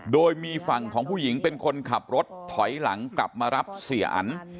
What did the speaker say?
โดยมีฝั่งของผู้หญิงเป็นคนขับรถถอยหลังกลับมารับเสียอัน